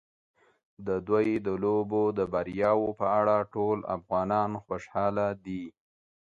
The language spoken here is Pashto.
د دوی د لوبو د بریاوو په اړه ټول افغانان خوشاله دي.